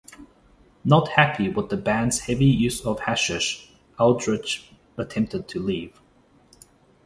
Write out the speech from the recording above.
Not happy with the band's heavy use of hashish, Aldridge attempted to leave.